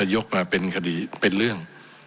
ยกมาเป็นคดีเป็นเรื่อง